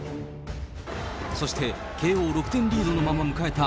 そして、慶応６点リードのまま迎えた